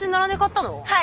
はい。